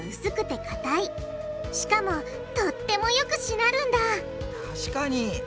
しかもとってもよくしなるんだ確かに。